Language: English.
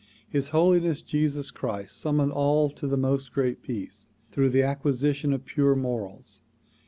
His Holiness Jesus Christ summoned all to the "]\Iost Great Peace" through the acquisition of pure morals.